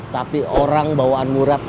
tapi orang bawaan murad